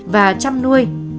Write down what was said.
và chăm nuôi